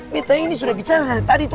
bete ini sudah bicara dari tadi tuh